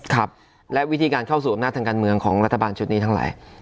ครับและวิธีการเข้าสู่อำนาจทางการเมืองของรัฐบาลชุดนี้ทั้งหลาย